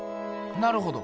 なるほど。